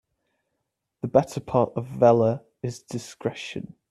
The better part of valor is discretion